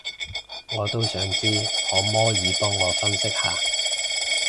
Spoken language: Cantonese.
我都想知，可摸耳幫我分析下